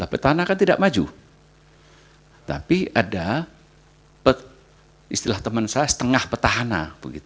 petahana kan tidak maju tapi ada istilah teman saya setengah petahana